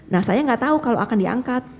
nah saya nggak tahu kalau akan diangkat